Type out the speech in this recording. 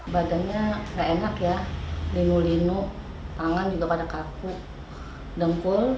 badannya nggak enak ya linu linu tangan juga pada kaku dengkul